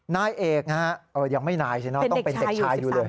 นายเอกยังไม่นายใช่ไหมต้องเป็นเด็กชายอยู่เลย